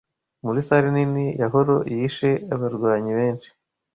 muri salle nini ya Horo yishe abarwanyi benshi